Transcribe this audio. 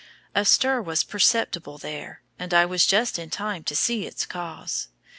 A stir was perceptible there, and I was just in time to see its cause.